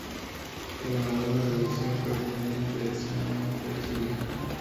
El ganador de la edición correspondiente a ese año fue Chile.